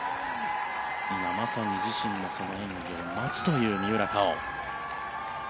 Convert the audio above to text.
今まさに自身の、その演技を待つという三浦佳生。